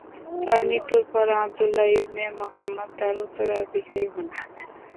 তার মৃত্যুর পর আবদুল্লাহ ইবনে মুহাম্মদ তার উত্তরাধিকারী হন।